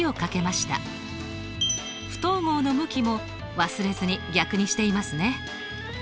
不等号の向きも忘れずに逆にしていますね。